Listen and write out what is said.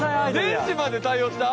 電子まで対応した！？